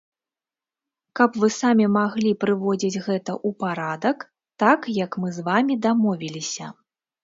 Каб вы самі маглі прыводзіць гэта ў парадак так, як мы з вамі дамовіліся.